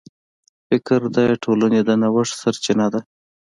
فکر د ټولنې د نوښت سرچینه ده.